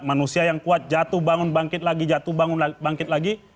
manusia yang kuat jatuh bangun bangkit lagi jatuh bangun bangkit lagi